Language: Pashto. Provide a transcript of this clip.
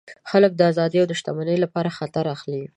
خلک د آزادۍ او شتمنۍ لپاره خطر اخلي.